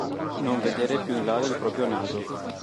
Non vedere più in là del proprio naso.